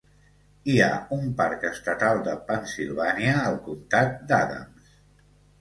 Hi ha un parc estatal de Pennsilvània al comtat d'Adams.